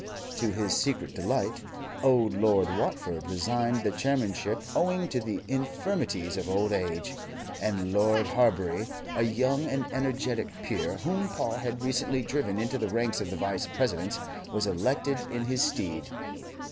To his secret delight, old Lord Watford resigned the chairmanship owing to the infirmities of old age, and Lord Harbury, a young and energetic peer whom Paul had recently driven into the ranks of the Vice Presidents, was elected in his stead.